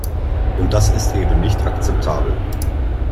Und das ist eben nicht akzeptabel.